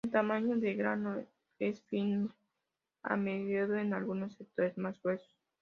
El tamaño de grano es fino a mediano, en algunos sectores más gruesos.